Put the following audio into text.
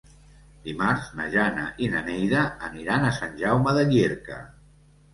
Dimarts na Jana i na Neida aniran a Sant Jaume de Llierca.